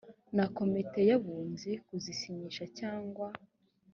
na komite y abunzi kuzisinyisha cyangwa